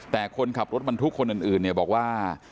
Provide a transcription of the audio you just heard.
แต่คนขับรถบรรทุกคนอื่นเนี่ยบอกว่า